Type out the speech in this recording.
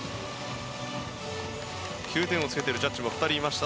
９点をつけているジャッジが２人いました。